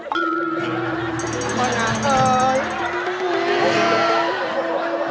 คนอาธิบาล